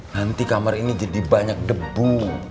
nanti kamar ini jadi banyak debu